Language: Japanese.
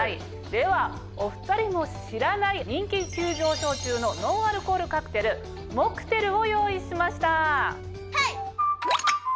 ではお２人も知らない人気急上昇中のノンアルコールカクテルモクテルを用意しました。